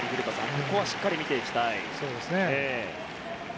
しっかり見ていきたい。